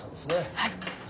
はい。